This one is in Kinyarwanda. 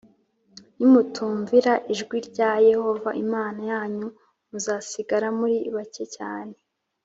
nimutumvira ijwi rya Yehova Imana yanyu muzasigara muri bake cyane.